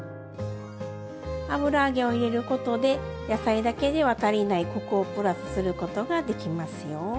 油揚げを入れることで野菜だけでは足りないコクをプラスすることができますよ。